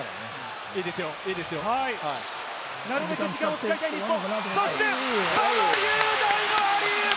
なるべく時間を使いたい日本。